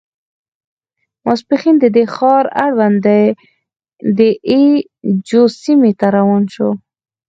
ماسپښین د دې ښار اړوند د اي جو سیمې ته روان شوو.